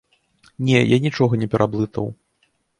Не, я нічога не пераблытаў.